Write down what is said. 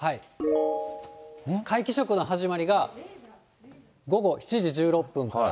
皆既食の始まりが午後７時１６分から。